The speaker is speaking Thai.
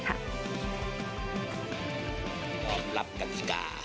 ยอมรับกะติกา